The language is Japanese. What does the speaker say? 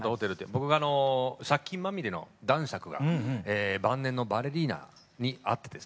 僕が借金まみれの男爵が晩年のバレリーナに会って恋に落ちる。